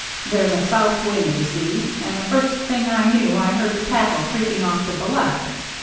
There's a south wind^ you see. And the first thing I knew I heard the tackle creaking off to the left.